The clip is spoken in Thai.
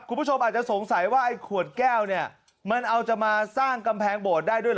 คุณผู้ชมอาจจะสงสัยว่าไอ้ขวดแก้วเนี่ยมันเอาจะมาสร้างกำแพงโบสถ์ได้ด้วยเหรอ